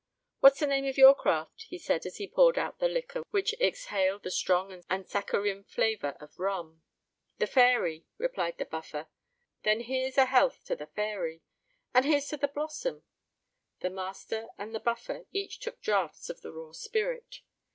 "What's the name of your craft?" he said, as he poured out the liquor, which exhaled the strong and saccharine flavour of rum. "The Fairy," replied the Buffer. "Then here's a health to the Fairy." "And here's to the Blossom." The master and the Buffer each took draughts of the raw spirit.